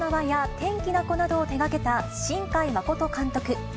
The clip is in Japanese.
や天気の子などを手がけた新海誠監督。